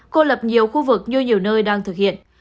cô lập nhiều khu vực như nhiều nơi đang thực hiện